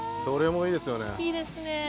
どれもいいですよね。